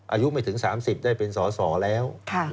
อายุไม่ถึง๓๐ได้เป็นสอสอแล้ว